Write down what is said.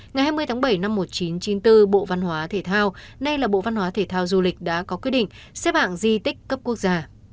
ngày hai mươi tháng bảy năm một nghìn chín trăm chín mươi bốn bộ văn hóa thể thao nay là bộ văn hóa thể thao du lịch đã có quyết định xếp hạng di tích cấp quốc gia